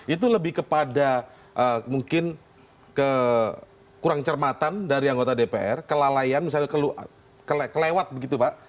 itu lebih kepada mungkin kekurang cermatan dari anggota dpr kelalaian misalnya kelewat begitu pak